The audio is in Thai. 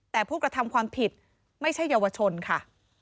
แต่ผู้กระทำความผิดไม่ใช่เยาวชนค่ะ